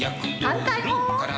反対も。